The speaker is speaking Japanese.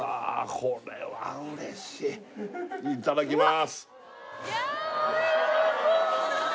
これはうれしいいただきます